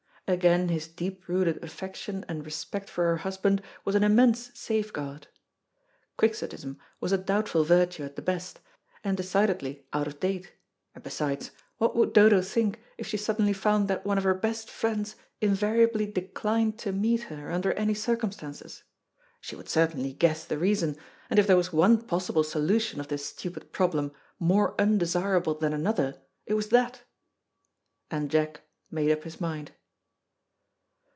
Again his deep rooted affection and respect for her husband was an immense safeguard. Quixotism was a doubtful virtue at the best, and decidedly out of date, and besides, what would Dodo think if she suddenly found that one of her best friends invariably declined to meet her under any circumstances? She would certainly guess the reason, and if there was one possible solution of this stupid problem more undesirable than another, it was that. And Jack made up his mind.